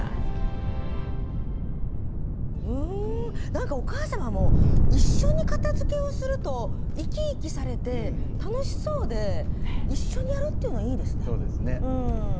なんかお母様も一緒に片づけをすると生き生きされて楽しそうで一緒にやるっていいですね。